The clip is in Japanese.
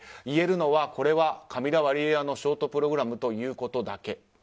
言えるのはこれはカミラ・ワリエワのショートプログラムということだけ。